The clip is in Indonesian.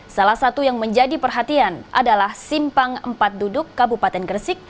salah satu yang menjadi perhatian adalah simpang empat duduk kabupaten gresik